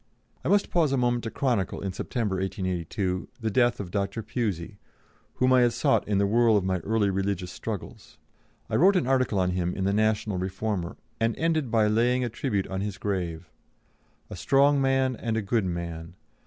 I must pause a moment to chronicle, in September, 1882, the death of Dr. Pusey, whom I had sought in the whirl of my early religious struggles. I wrote an article on him in the National Reformer, and ended by laying a tribute on his grave: "A strong man and a good man.